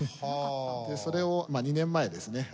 それを２年前ですね